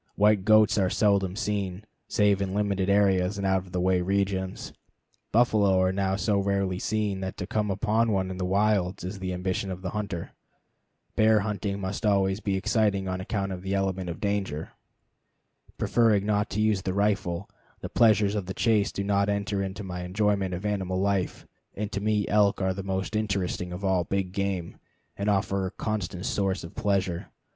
White goats are seldom seen, save in limited areas and out of the way regions. Buffalo are now so rarely seen that to come upon one in the wilds is the ambition of the hunter. Bear hunting must always be exciting on account of the element of danger. Preferring not to use the rifle, the pleasures of the chase do not enter into my enjoyment of animal life, and to me elk are the most interesting of all big game, and a constant source of pleasure.